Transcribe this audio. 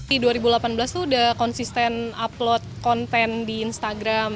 di dua ribu delapan belas tuh udah konsisten upload konten di instagram